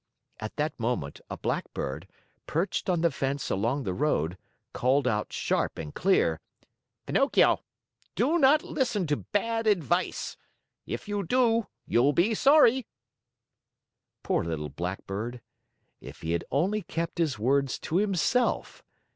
At that moment, a Blackbird, perched on the fence along the road, called out sharp and clear: "Pinocchio, do not listen to bad advice. If you do, you'll be sorry!" Poor little Blackbird! If he had only kept his words to himself!